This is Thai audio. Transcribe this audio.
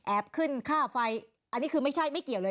แอบขึ้นค่าไฟอันนี้คือไม่เกี่ยวเลย